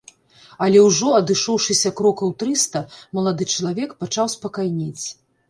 Але ўжо адышоўшыся крокаў трыста, малады чалавек пачаў спакайнець.